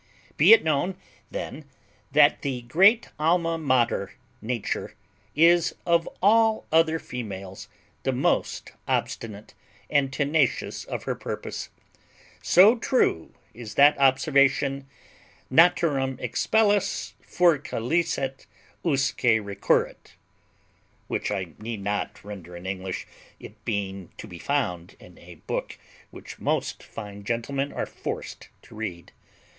Be it known then that the great Alma Mater, Nature, is of all other females the most obstinate, and tenacious of her purpose. So true is that observation, Naturam expellas furca licet, usque recurret. Which I need not render in English, it being to be found in a book which most fine gentlemen are forced to read.